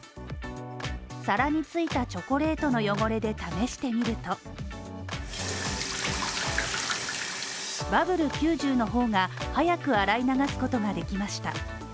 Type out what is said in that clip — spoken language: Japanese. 更についたチョコレートの汚れで試してみるとＢｕｂｂｌｅ９０の方が早く洗い流すことができました。